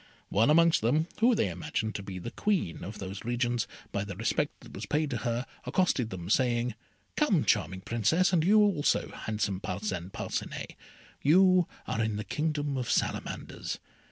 One amongst them, whom they imagined to be the Queen of those regions, by the respect that was paid to her, accosted them, saying, "Come, charming Princess, and you also, handsome Parcin Parcinet; you are in the Kingdom of Salamanders.